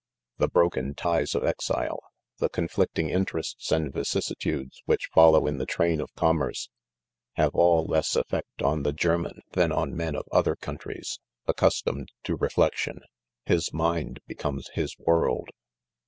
The broken ties of exile, the conflicting interests and vicissitudes which follow in the train of commerce, have all less effect on the German than on men of other countries ; accustomed to reflection, his mind becomes his world.